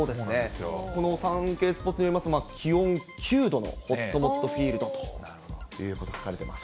このサンケイスポーツ見ますと、気温９度のほっともっとフィールドということが書かれています。